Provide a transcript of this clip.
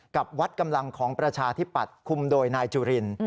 กับวัดกำลังของประชาธิปัตย์คุมโดยนายจุริน